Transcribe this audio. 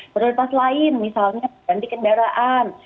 prioritas lain misalnya ganti kendaraan